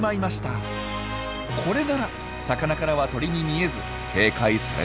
これなら魚からは鳥に見えず警戒されなさそうです。